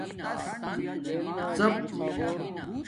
ڎیپ